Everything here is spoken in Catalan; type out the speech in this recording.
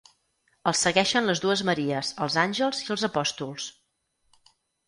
Els segueixen les dues Maries, els àngels i els apòstols.